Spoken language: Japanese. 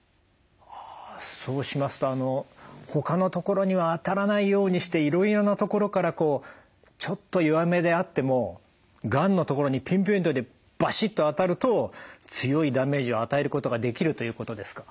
はそうしますとほかの所には当たらないようにしていろいろな所からこうちょっと弱めであってもがんの所にピンポイントでバシッと当たると強いダメージを与えることができるということですか？